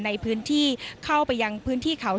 ในพื้นที่เข้าไปยังพื้นที่เขา